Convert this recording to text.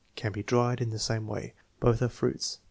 "Can be dried in the same way." "Both are fruits."